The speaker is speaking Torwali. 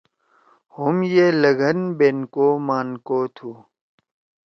ہُم یی لگھن بینکو مانکو تُھو